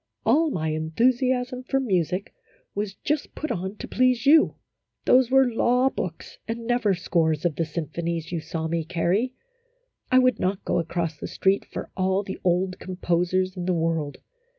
" All my enthusiasm for music was just put on to please you. Those were law books, and never scores of the symphonies, you saw me carry. I would not go across the street for all the old com posers in the world